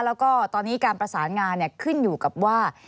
แล้วก็ตอนนี้การประสานงานขึ้นอยู่กับว่า